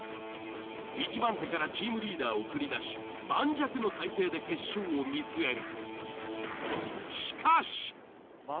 １番手からチームリーダーを繰り出し盤石の体制で決勝を見据える。